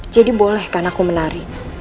jadi boleh kan aku menari